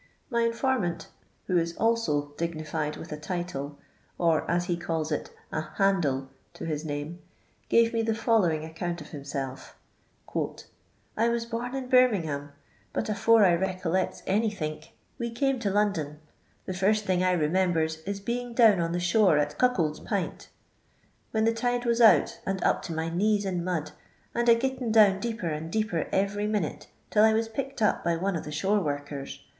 Hy informant, who is also dignified with a title, or as he calls it a " handle to his name," gave me the following acconpt of himself :" I was born in Birmingham, but afore I recollects anythiuk, we came to London. The first thing I remembers is I being down on the shore at Cuckold's F'int, when j the tide was out and up to my knees in mud, and j a gitting down deeper and deeper every minute till I was picked up by one of the shore workers.